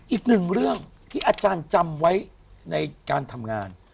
อีกหนึ่งเรื่องที่อาจารย์จำไว้ในการทำงาน